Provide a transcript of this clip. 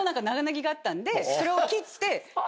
それを切って。